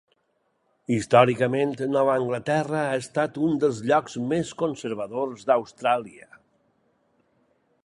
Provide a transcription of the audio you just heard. Històricament, Nova Anglaterra ha estat un dels llocs més conservadors d'Austràlia.